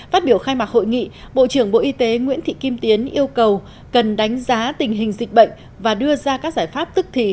phát biểu khai mạc hội nghị bộ trưởng bộ y tế nguyễn thị kim tiến yêu cầu cần đánh giá tình hình dịch bệnh và đưa ra các giải pháp tức thì